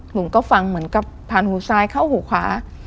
หนูก็ฟังเหมือนกับผ่านหูซ้ายเข้าหูขวา